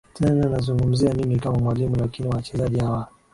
sidhana nazungumzia mimi kama mwalimu lakini wachezaji wa